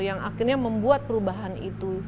yang akhirnya membuat perubahan itu